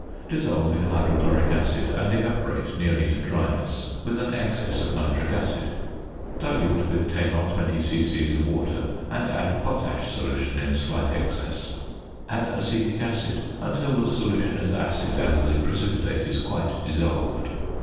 Dissolve in hydrochloric acid, and evaporate nearly to dryness with an excess of nitric acid. Dilute with 10 or 20 c.c. of water and add potash solution in slight excess. Add acetic acid until the solution is acid and the precipitate is quite dissolved.